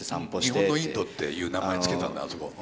「日本のインド」っていう名前つけたんだあそこ。